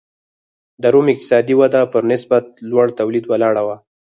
د روم اقتصادي وده پر نسبتا لوړ تولید ولاړه وه